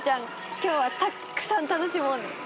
今日はたくさん楽しもうね。